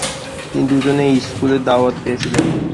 তিনি দুজনেই এই স্কুলের দাওয়াত পেয়েছিলেন।